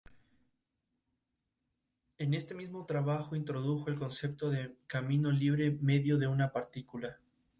De la misma forma, impide la recarga de los acuíferos.